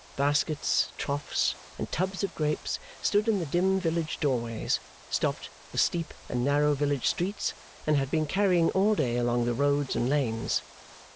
Baskets, troughs, and tubs of grapes stood in the dim village doorways, stopped the steep and narrow village streets, and had been carrying all day along the roads and lanes.